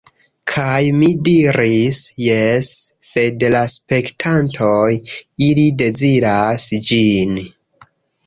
Kaj mi diris: "Jes, sed la spektantoj ili deziras ĝin."